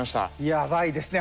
やばいですね。